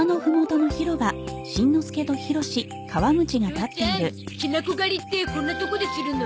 父ちゃんキナコ狩りってこんなとこでするの？